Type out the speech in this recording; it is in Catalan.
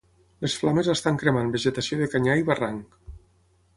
Les flames estan cremant vegetació de canyar i barranc.